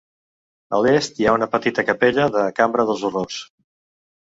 A l'est hi ha una petita capella de "cambra dels horrors".